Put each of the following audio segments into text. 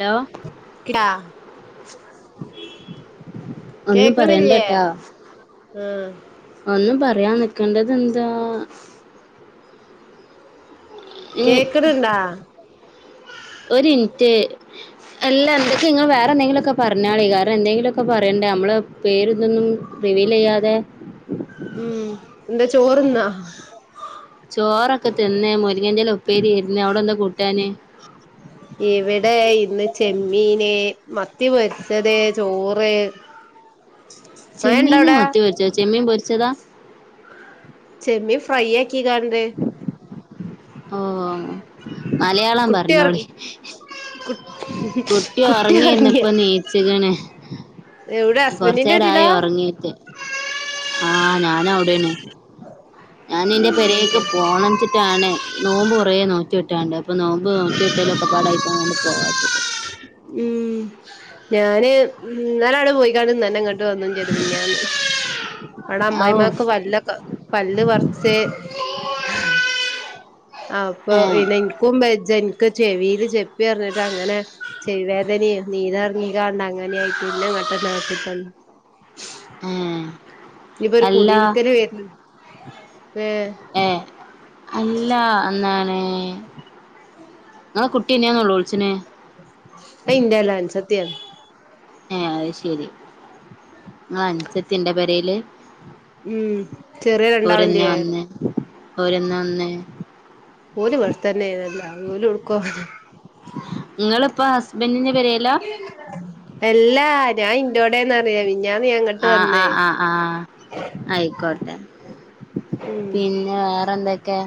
Hello ടാ ഒന്നും പറയണ്ട കേക്കണില്ലേ ട്ടാ ആഹ് ഒന്നും പറ പറയാൻ നക്കണ്ടത് എന്താ ഉം കേക്കണണ്ടാ ഒരു ഇൻ റ്റ് അല്ല എന്തൊക്കെ നിങ്ങ വേറെ എന്തെങ്കിലുംൊക്കെ പറഞ്ഞാളെ കാരണം എന്തെങ്കിലുംൊക്കെ പറയണ്ടേ നമ്മള് പേരിതൊന്നും റിവീല് ചെയ്യാതെ ഉം എന്താ ചോറ്ന്നാ ചോറൊക്കെ തിന്നെ മുലങ്ങറ്റല്ല ഉപ്പേരി ആുന്ന അവിടെ എന്താ കൂട്ടാന് ഇവിടെ ഇന്ന് ചെമ്മീന് മത്തി വരച്ചത് ചോറ് മഴണ്ടോ ചെമ്മീന അവിടെ മത്തി പൊരിച്ചോ ചെമ്മീൻ പൊരിച്ചതാ ചെമ്മീ ഫ്രൈ ആക്കി കാണ്ട് ഓ മലയാളം കുട്ടി ഒറ പറഞ്ഞോളി കുട്ടി ഉറങ്ങിുന്നപ്പ നീച് ക്ണ് എവിടെ കൊറച്ച ഹസ്ബൻറിന്റെ വീട്ടിലാ രായിോ ഉറങ്ങീട്ട് ആ ഞാനവിടെന്ന് ഞാൻ എന്റെ പേരേക്ക് പോണച്ചിട്ടാണ് നോമ്പ് കുറേ നോറ്റി വിട്ടാണ്ട് അപ്പൊ നോമ്പ് നോറ്റി വിട്ടേല ഒക്കെ പാടായിയിക്കാണ്ട് പോവാച്ചിട്ട് ഉം ഞാന് ഇന്നലെ ആണ്ട് പോയിങ്ങാണ്ട് ഇന്നന്നെ ഇങ്ങണ്ട് വന്നും ചെയ്ത്മിഞ്ഞാന്ന്അവിടെ ഔ അമ്മായിമാക്ക് പല്ല പല്ല് വറച്ച് ആ ഏ അപ്പൊനനി കുമ്പ ജ െ ചെവിൽ ചെപ്പി റിഞ്ഞിട്ട് അങ്ങനെ ശ വേദന നീതർങ്ങീ കാണ്ട് അങ്ങനെയയിട് എന്നെ പെട്ടെന്ന് ഹോസ്പിറ്റലി ഏ ഇവ ഒരു അല്ല കൂടിയിരുരിക്കൽ വര ഏ അല്ല അന്നണ് ഉ ട്ടി ന്തിനാ നോലോളിച്ചിന് ട്ടി [unintelligible] ൻ ഏ അത് ശരി അനസത്തിന്റെ പരയില് ഉം ചെറിയ രണ്ടാളിലെ ഓരന്ന്ന്ന് ഓല് ഇവടെ തന്നെയായിരുന്നല്ലോ ഓല് ടുക്കോ നിങ്ങളിപ്പോൊ ഹസ്ബൻഡന്റെ പെരിലാ എല്ലാ ഞാൻ ഇൻറോടെന്ന് അറിഞ്ഞിലെ ആഹ ആഹ് ആഹ് ആഹ ആയിക്കോട്ടെ ഉം പിന്നെ വേറെ എന്തൊക്കെ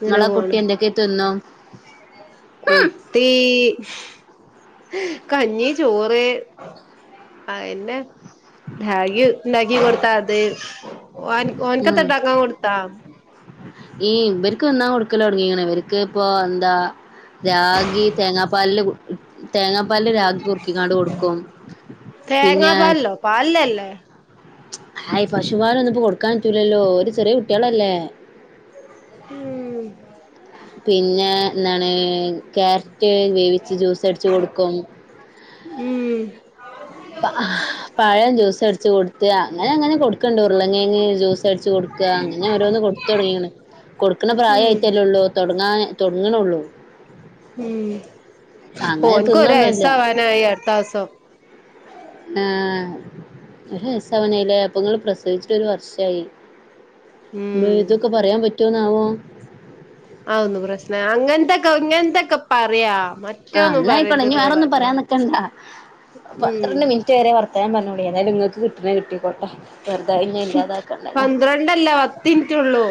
അങ്ങനെ പോണ് തിന്നും കുട്ടീ കഞ്ഞി ചോറ് ആ തന്നെ രാഗി ഉണ്ടാക്കി കൊടുത്ത അത് ഓൻ ഉം ഓനിക്കത്തെട്ടാക്കാൻ കൊടുത്താ ഈ പനിക്ക് തിന്നാൻ കൊടുക്കൽ തുടങ്ങിക്കണ് ഇവൻക്ക് ഇപ്പ എന്താ രാഗി തേങ്ങാപ്പാലില് തേങ്ങാപ്പാലില് രാഗി കുറുക്കിക്കാട് കൊടുക്കും പിന്നെ ആ ഹായ് പശുപാല്ഒന്ന ഇപ്പോൊ കൊടുക്കാൻ പറ്റൂല്ലല്ലോ ഒരു ചെറിയ കുട്ടികളല്ലേ ഉം പിന്നെ എന്താണ് ക്കെ ക വേവിച്ച് ജ്യൂസടിച്ച് കൊടുക്കും ഉം പഴം ജ്യൂസ് അടച്ച് കൊടുത്ത് അങ്ങനെ അങ്ങനെ കൊടുക്കണ്ടൂർ ള്ള ' കിഴങ്ങ ജ്യൂസ് അടിച്ചു കൊടു അങ്ങനെ ഓരോന്ന് കൊടുത്ത് തുടങ്ങിയാണ് കൊടുക്കുന്ന പ്രായം ഉം ആയിട്ടല്ലേ ഉള്ളൂ തുടങ്ങാ തുടങ്ങണള്ളൂ ഉം അങ്ങനെ ഓൻ ക്കര തിന്നൊന്നുല്ല യസവാനായി അടുത്തസം ആ ഒരു വയസവനയില്ല അപ്പോ പ്രസവിച്ചിട്ട ഒരു വർഷായി ഉം ഇതൊക്കെ പറയാൻ പറ്റുവോന്നാവോ ആന്ന് പ്രശ്ന അങ്ങനത്തക്കെ ഇങ്ങനന്തക്കെപ്പ പറയാ ആ മറ്റൊന്നും അന്നായിക്കോണെ നനി പറയരുതെന്നാ വേറെൊന്നും പറഞ്ഞെ പറയാൻ നക്കണ്ട ഉം പന്ത്രണ്ട് മിനിറ്റ് വരെ വർ അത്രഞൻവേഗം പറഞ്ഞോളിഎന്തായാലും നിങ്ങക്ക് കിട്ട കിട്ടിക്കോട്ടെ വെറുത [unintelligible] ഇല്ലാതാക്കണ്ടല്ലോ പന്ത്രണ്ടല്ല പത്തിൻറ്റുള്ളൂ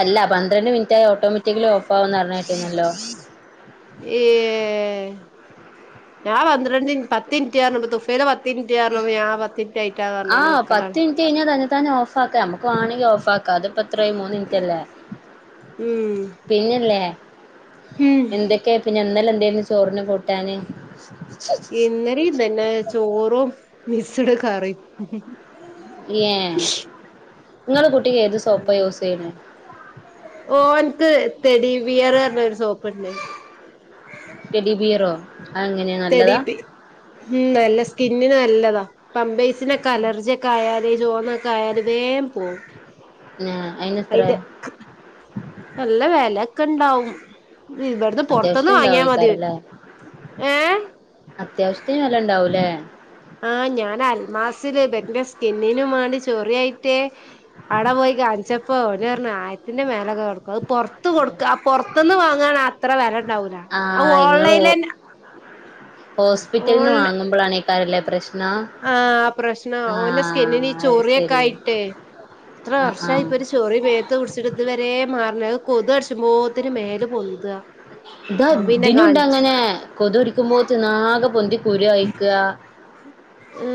അല്ല പന്ത്രണ്ട് മിനറ്റ് മ ഓട്ടോമാറ്റിക്കലി ഓഫ് ആവന്ന് അറിഞ്ഞ കേട്ടിുന്നല്ലോ ഏ [unintelligible] പറഞ്ഞപ്പോ ഞാൻ പത്തിൻറ്റ് ആയിട്ടാ ആ പറഞ്ഞാണ്ട് പത്ത് വെക്കലാണ് മിനിറ്റ് കഴിഞ്ഞാ തന്നെ തന്നെ ഓഫ് ആക്ക നമുക്ക് വണെങ്കിൽ ഓഫ് ആാക്കാം അത് പത്രായി മൂന്ന് മിനിറ്റ്ല്ലേ ഉം പിന്നെല്ലേ ഉം എന്തൊക്കെയ പിന്നെ ഇന്നലെ [inaudible] ഇന്നലി. തന്നെ ചോറോും മിസട കറി എ നിങ്ങൾ കു ഓ നിക്ക് ടെഡി ബിയർപറഞ്ഞ ഒരു സോപ്പുണ്ട് തെടി ബിയറോ അതെങ്ങനെ [unintelligible] നല്ലതാ ഇതിന്അലർജിയൊക്കെ ആയല് [unintelligible] ആയാല വേം പോവും ഏഹ് അയിനെത്ര അയിന്റെ നല്ല വിലൊക്കെ ഇണ്ടാവും ഇവിടുന്ന് പുൊറത്തന്ന് അത്യാവശ്യത്തിന് വാങ്ങിയാ മതി ഇണ്ടാവോയ്ക്കാരല്ലേ ഏ അത്യാവശ്യ വില ഉണ്ടാവൂല്ലേ ആഞാൻ അൽമാസിൽ ബന്റെ സ്കിന്നിനും വേണ്ടി ചോറിയായിട്ട് അവിടെപോയി കാണിച്ചപ്പോൾഓല് പറഞ്ഞു ആയിരത്തിന്റെ മേലെ [unintelligible] പുറത്തന്ന് വാങ്ങാൻ അത്ര വില ഓ ആഹ് ആഓൺലൈനിൽ ഹോസ്പിറ്റലിൽ നിന്ന് വാങ്ങുമ്പോഴാണേക്കാാരല്ല പ്രശ്നം ആ പ്രശ്നം ഒന്റെ ആഹ് സ്കിന്നിന് അത് ചോറിയൊക്കെ ശരി ആയിട്ടേ എത്ര ആഹ് വർഷമായി ആഹ് ഇപ്പൊ ഒരു ചോറി വേഗത്ത് കുടിച്ചടു ഇതുവരെ മാ അ കൊതുടിച്ചുമ്പോത്തിന് മേലല് പൊന്തു ഇതാ ദിനുണ്ട അങ്ങനെ കൊതുടിക്കുമ്പോന്നാകെ പൊന്തി കുരു കഴിക്കുക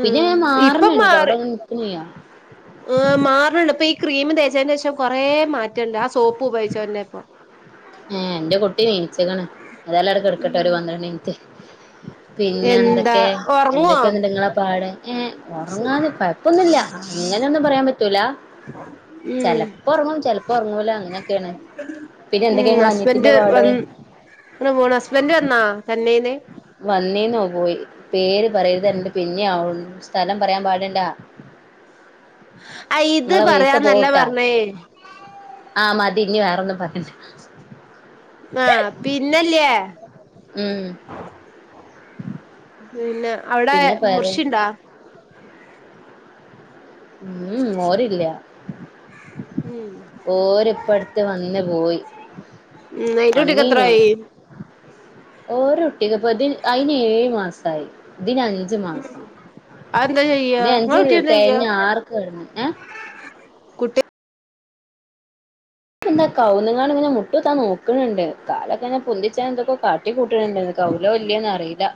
പിന്നെ ഞാൻ [unintelligible] ഇപ്പം മാറി നിക്കുന്നു്യാഇല്ല ആഹ് മാറണുണ്ട് ഇപ്പൊ ഈ ക്രീം തേച്ചതിന് ശേഷം കൊറേ മാറ്റുണ്ട് ആ സോപ്പ് ഉപയോഗിച്ചോെ ഇപ്പൊ ആ എന്റെ കുട്ടി നീചിക്കണ് അതെല്ലടക്ക എടുക്കട്ടെ ഉം ഒരു പന്ത്രണ്ട് നീത്ത് പിന്നെ എന്താ എന്തൊക്കെ ഒറങ്ങുവോ എന്തൊക്കെയന്ന നിങ്ങളാ പാട് ഏ ഉറങ്ങാതെ കുഴപ്പമില്ല അങ്ങനൊന്നും പറയാൻ പറ്റില്ല ഉം [inaudible] ഉറങ്ങും ചിലപ്പോ ഉറങ്ങല അങ്ങനെയൊക്കെയാണ് പിന്നെ എന്തൊ ഉം ഹസ്ബൻഡ് വന്നോ വ പോണ് ഹസ്ബൻഡ്വന്നാ ചെന്നൈയി വന്നീ നോ പോയി പേര് പറയരുതണ്ട് പിന്നെ സ്ഥലം പറയാൻ പാടണ്ടാ ആ ഇത് പൈസ പറയാന്നല്ല പോവുട്ടാ പറഞ്ഞേ ആ മതി ഇനി വേറെൊന്നും [unintelligible] ആ പിന്നല്ലേ ഉം പിന്നെ അവിടെ പിന്നെ പറയ് മുർഷി ഉണ്ടോ ഉം ഓരില്ല ഉം ഓരിപ്പടുത്ത് വന്ന് പോയി [inaudible] [unintelligible] ഓലക്കുട്ടിക്ക് ഇപ്പ ഇത് അതിനേഏഴ് മാസായി ഇതിന് അഞ്ച് മാസം അതെന്താ ചെയ്യാ ഇതിനഞ്ച് ഇങ്ങളെ കുട്ടി എന്താ ചെയ്യാ തേഞ്ഞ ആർക്ക കടന്ന് ഏ കുട്ടേ എന്താ കൗുന്നങ്ങാ ഇങ്ങനെ മുട്ട് താൻ നോക്കണണ്ട് കാലൊക്കെങ്ങെ പൊതിച്ചാൻ എന്തൊക്കെ കാട്ടി കൂട്ടട്ടുണ്ട് കൗലവല്യന്ന് അറിയില്ല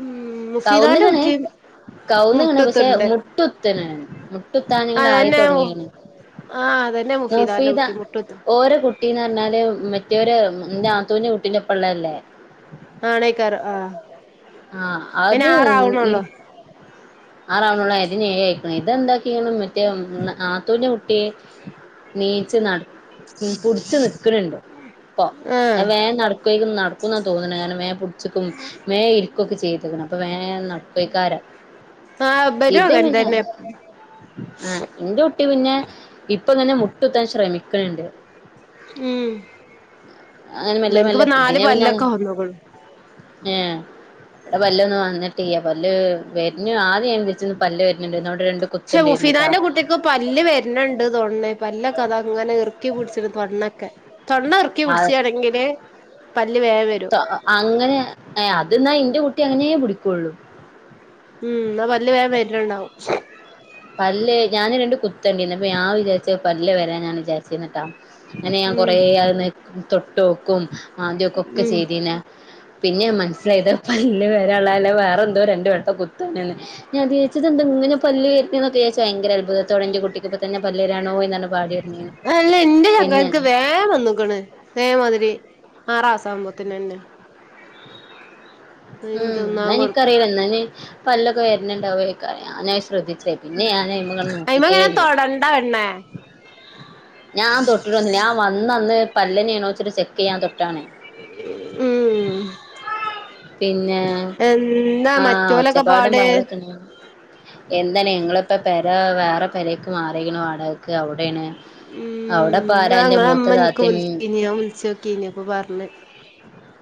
ഉം കൗുന്ന മുഫീദാന്റെ കണ കുട്ടി കൗുന്ന കണ പക്ഷെ മുട്ടുകുത്തുണ്ട് മുട്ടുത്തന ത്താാനിങ്ങ ആയി അതന്നെ തുടങ്ങിാണ്ീ ആഹ് അതന്നെ മുഫീദാന്റെ കുട്ടി മുട്ടൂത്ത് ഓരോ കുട്ടിന്ന് പറഞ്ഞാല് മറ്റേര് തോഞ്ഞ കുട്ടീന്റെറെ ഒപ്പ ഉള്ളല്ലേ ആണേക്കാരം ആഹ് ആഹ അയിന് അത് ഇ ആറാവണൊള്ളൂ ആറൗണുള്ളതിന ഇതെന്താക്കിണം മറ്റേ ത്തഞ്ഞ കുട്ടിയെ നീച്ച് നട പുടിച്ചു നക്കുന്നുണ്ടോ ഉ [unintelligible] അേൻ നടക്കക്കും നടക്കും എന്ന തോന്നണ കാരണം വേ പൊടിച്ചക്കും വേ ഇരിക്കുംൊക്കെ ചെയ്തേക്ക അപ്പൊ വേ നടക്കയ്ക്കാര [unintelligible] ഇബനും ഇത് അങ്ങനെ പിന്നെ തന്നെ ആ എന്റെ കുട്ടി പിന്നെ ഇപ്പൊ തന്നെ മു കട്ടത്താൻ ശ്രമിക്കണണ്ട് ഉം അങ്ങനെ മെല്ലെ ഇബൻക്കിപ്പ നാല് മെല്ലെതിനന്നെ പിന്നെ പല്ലൊക്കെ വന്ന്ക്ക്ണു ഏ ഇവിടെ വല്ലൊന്ന് വന്നിട്ട പല്ല് വരഞ്ഞ ആദ്യം എ അ പല്ലേ വരുന്നുണ്ട്ോ പക്ഷെ മുഫിദാന്റെ കുട്ടിക്ക് പല്ല് വരണണ്ട് തോന്നേ പല്ല കഥ അങ്ങനെർ ഉറക്കി പിടിച്ചി തൊണ്ണൊക്കെ തൊണ്ണ ഉറുക്കി ആഹ് പിടിച്ചാണെങ്കില് പല്ല് വേം വരും അങ്ങനെ അത്െന്നാ എറെ കുട്ടി അങ്ങനെയ പിടിക്കുള്ളു ഉം ഇന്നാ പല്ല് വേം വര്ന്ണ്ടാവും പല്ലല് ഞാന്ൻ രണ്ടണ്ട് കുത്തണ്ടിരുന്നുപ്പ ഞാ വിചാരിച്ച പല്ലല് വരാ ഞ ിട്ട അങ്ങനെ ഞാൻ ഉം കൊറെ അത് തൊട്ട്െക്കും ആദ്യക്കും ഒക്കെ ഉം ചെയ്തന്നെ പിന്നെ മനസിലായതാപ്പ വേള്ളാല വേറെ എന്തോ രണ്ട വം കുത്ത ഞ എ ഇനെ പല്ലല് കക്ക ഭയങ്കര അത്ഭുതത്തോ എന്റെ കുട്ടിക്കക്ക്ിൊ തന്നെ പല്ലേരാണോ എന്നാണ് പാടിരുന്ന അല്ല എന്റെ ചക്കർക്ക് വേഗ വന്നോക്കണ് വേമാതിരി ആറസഭവത്തിന്ന്നെ ഉം എന്ന തിന്നാൻ കൊടുക്കും എനിക്കറിയില്ല ാന് പല്ലൊക്കെ വരണ്ടാവ ഞ ശ്രദ്ധിച്ച അെ പിന്നെ ഞാന്മക അയിമ ഇങ്ങനെ നോക്കിട്ടേല്ല തൊടണ്ട പെണ്ണേ ഞാൻ തൊട്ടിട്ട വന്നില്ല ഞാ വന്നന്ന് പല്ലനെയണോ വച്ചിട്ട് ചെക്ക് ചെയ്യാൻ തൊട്ടാണ് ഉം പിന്നെ എന്താ ആഹ മറ്റോലൊക്കെ ഒച്ചപ്പാടും പാട് പാവളൊക്കെ ഉണ്ട എന്താണ് ങ്ങള ഇപ്പ പര വേറെ പരക്ക് മാറണു വാടകക്ക് അവിടൊണ് ഉം ഞങ്ങ അമ്മനക്ക് വിളിച്ചന ഞ വിളിച്ചോക്കന പറഞ്ഞു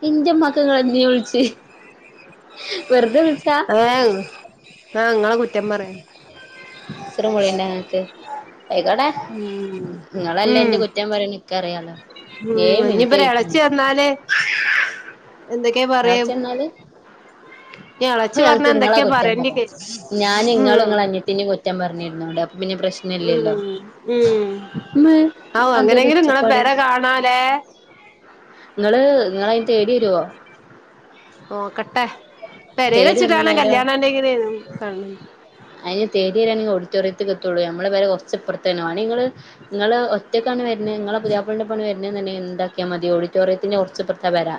എന്റെ ഉമ്മാക്ക് എന്ന വിളിച്ചു ഹ ആ ങ്ങളെ കുറ്റം പറയാൻ സിറമളിന്റെ ങ്ങനക്ക് കട ഉം നിങ്ങളല്ലേ ഉം എന്റെ കുറ്റം പറ നിിക്ക അറിയാലോ ഉം ഇനിപ്പ ഇളച്ചു വന്നല് എന്തൊ ാ ച എന്നാല് [unintelligible] അപ്പൊ ഞളച്ചു പറഞ്ഞാ ഞങ്ങക്ക് ഇങ്ങളെ എന്തൊക്കെയാ കുറ്റം പറണ്ട പറയാം ഞാൻ ഇങ്ങളും ഉം ഇങ്ങളെ അനിയത്തിനിം കുറ്റം പറഞ്ഞിരുന്നോണ്ട് അപ്പൊ പിന്നെ ഉം പ്രശ്നല്ലല്ലോ [unintelligible] ഉം മ്മേ ആ അതെന്തൊരു അങ്ങനെങ്കിലും ഇങ്ങെ പരെ കാണാലേ നിങ്ങള് നിങ്ങ അതിന് തേടി വരുവോ പെരൽ തേടി വന്നാ വെച്ചിട്ടാണ് നേരോ കല്യാണന്റെങ്ങ കാണ ഓഡിറ്റോറിയൽ എത്തൂ നമ്മൾ വ ഒപ്പുറത്തേങ്ങള് നി ഒറ്റക്ക വരുന്നത് അധ്യാപളന്റെ പണി വരുന്ന തെ എന്താക്കിയാ മതി ഓഡിറ്റോറിയത്തിന്റെ കുറച്ച്ു വരാ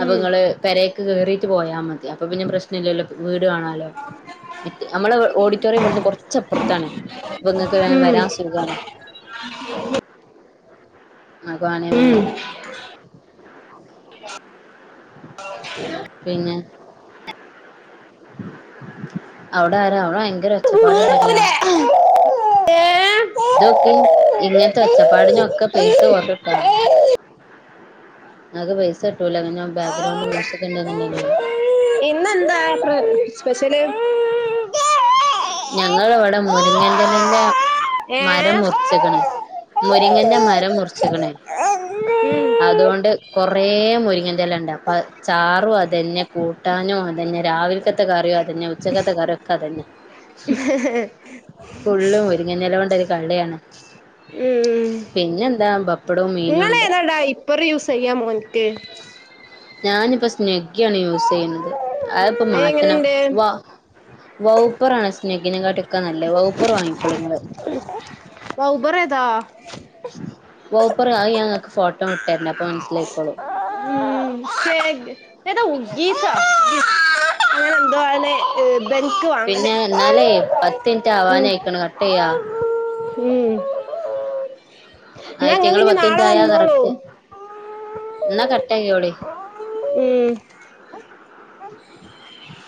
അപ്പൊ നിങ്ങള് പരക്ക് കേറിീട്ട് പോയാ മതി അപ്പൊ പിന്നെ പ്രശ്ന ഇല്ലല്ലോ വീട് കാണാലോ നമ്മളെ ഓഡിറ്റോറിയം പറ കുറച്ചപ്പുറത്താണ് ഇപ്പൊ നിങ്ങക്ക് ൻ വരാ സുഖഖമാണ് [unintelligible] ആഗവാണിയ വരാ ആഹ [unintelligible] പിന്നെ അവിടെ ആരാ അവട ഒച്ചപ്പാടുണ്ടല്ലോ ഉന്ത [unintelligible] ഇതൊക്കി ഇങ്ങനത്തെ ഒച്ചപ്പാടിനൊക്കെ പേസ കൊറി ട്ടൊ ങ്ങക്ക് പൈസ കിട്ടൂല അതിന് ബാക്ക്ഗ്രൗണ്ട് മ്യൂസിക് ഉണ്ടന്ന്ണ്ടെങ്കില് സ്പെഷ്യൽ ഞങ്ങൾവിടെ മുരിങ്ങന്റെലന്റെ ഏ മരം മുറിച്ചിക്ക്ണ് മുരിങ്ങന്റെ മരം മുറിച്ച്ക്ക്ണ് ഉം അതുകൊണ്ട് കൊറേ മുരിങ്ങ ന്റെലണ്ട് അപ്പത് ചാറും അതന്നെ കൂട്ടാനും അതന്നെ രാവിലക്കത്തെ കറിയും അതന്നെ ഉച്ചക്ക കറിയൊക്ക അതന്നെ ഫുള്ളും മുരിങ്ങന്റെ ഇലകൊണ്ട് ഒരു കളിയാണ് ഉം ഉ പിന്നെന്താ ബപ്പടവും മീനും നിങ്ങൾ ഉണ്ട് ഏതാ ഡയപ്പർ യൂസ് ചെയ്യാ മോൻക്ക് ഞാനിപ്പോ സ്നെഗ്ഗിയ ആണ് യൂസ് ചെയ്യുന്നത് അതിപ്പൊ മാറ്റണം അയെങ്ങനെണ്ട് വ വൗപ്പറാണ് സ്നഗിനെ കാട്ടൊക്കെ നല്ലത് വൗപ്പർ വാങ്ങിക്കോളിങ്ങള് [unintelligible] വൗപ്പർ അത് ഞാൻഇങ്ങൾക്ക് ഫോട്ടോ വിട്ടരണ്ട് അപ്പം ഉ ശരി ഏതാ ഹ്യൂഗ്ഗീസൊ [unintelligible] അങ്ങനെ ന്തോ ആണ് [unintelligible] ഇവൻക്ക് വാങ്ങൽ പിന്നെ എന്നാലേ പത്ത് മിനിറ്റ് ഉം ആവാനായിക്കണ് കട്ട് ചെയ്യാ ആയിട്ട് ഇങ്ങള് എന്നങ്ങക്ക്ഞ്ഞ് പത്ത് മിനിറ്റ് നാളെ ആയാ വന്നോളും കറക്റ്റ് എന്നാ കട്ടെയ്തോളി [unintelligible]